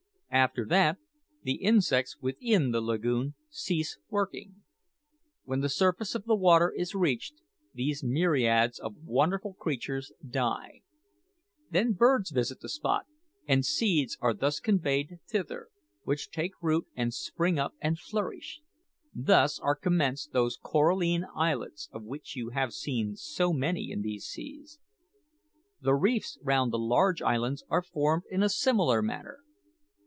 After that, the insects within the lagoon cease working. When the surface of the water is reached, these myriads of wonderful creatures die. Then birds visit the spot, and seeds are thus conveyed thither, which take root and spring up and flourish. Thus are commenced those coralline islets of which you have seen so many in these seas. The reefs round the large islands are formed in a similar manner.